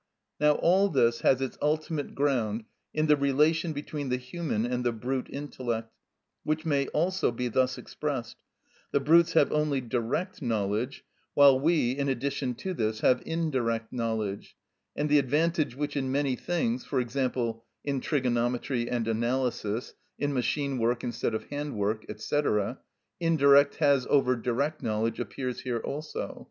Now all this has its ultimate ground in the relation between the human and the brute intellect, which may also be thus expressed: The brutes have only direct knowledge, while we, in addition to this, have indirect knowledge; and the advantage which in many things—for example, in trigonometry and analysis, in machine work instead of hand work, &c.—indirect has over direct knowledge appears here also.